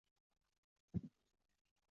清朝及中华民国军事将领。